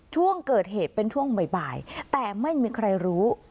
ช่วงเกิดเหตุเป็นช่วงบ่ายแต่ไม่มีใครรู้